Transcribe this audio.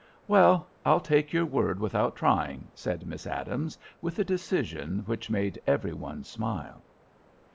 "Well, I'll take your word without trying," said Miss Adams, with a decision which made every one smile.